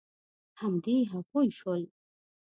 همدې هغوی شول.